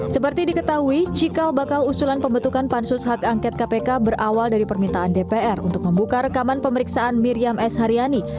seperti diketahui cikal bakal usulan pembentukan pansus hak angket kpk berawal dari permintaan dpr untuk membuka rekaman pemeriksaan miriam s haryani